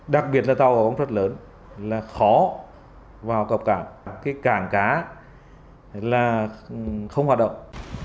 đặc biệt là tàu có công suất lớn là khó vào cập cảng cái cảng cá là không hoạt động